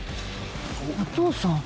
お父さん。